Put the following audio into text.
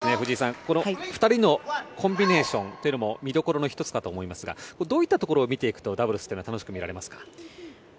１つ、ダブルスの場合は藤井さん２人のコンビネーションというのも見どころの１つかと思いますがどういったところを見ていくとダブルスというのは楽しく見られますか。